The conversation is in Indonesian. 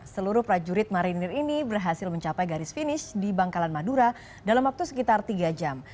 seluruh prajurit marinir ini berhasil mencapai garis finish di bangkalan madura dalam waktu sekitar tiga jam